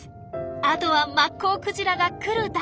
あとはマッコウクジラが来るだけ！